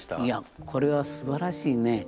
いやこれはすばらしいね。